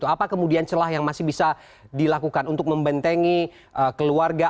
apa kemudian celah yang masih bisa dilakukan untuk membentengi keluarga